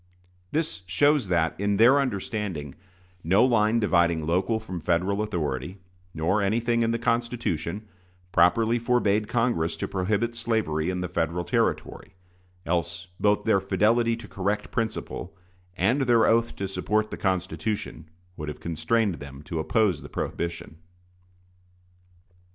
This shows that, in their understanding, no line dividing local from Federal authority, nor anything in the Constitution, properly forbade Congress to prohibit slavery in the Federal territory; else both their fidelity to correct principle, and their oath to support the Constitution, would have constrained them to oppose the prohibition.